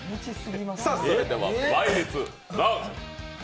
それでは倍率ドン！